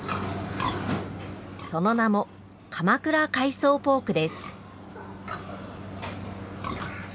その名も、鎌倉海藻ポークです。